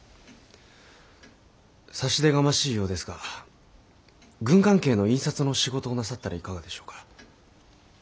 差し出がましいようですが軍関係の印刷の仕事をなさったらいかがでしょうか。